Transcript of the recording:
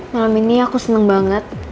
malam ini aku senang banget